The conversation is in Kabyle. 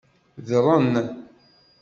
Ḍren.